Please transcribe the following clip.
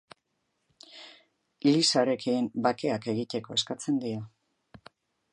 Lisarekin bakeak egiteko eskatzen dio.